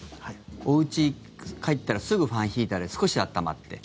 おうち帰ったらすぐファンヒーターで少し温まって。